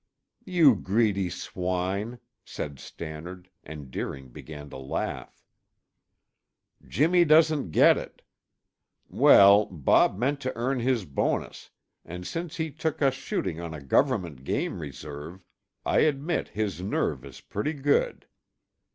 "You greedy swine!" said Stannard, and Deering began to laugh. "Jimmy doesn't get it! Well, Bob meant to earn his bonus, and since he took us shooting on a government game reserve, I admit his nerve is pretty good.